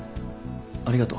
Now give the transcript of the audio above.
ありがとう。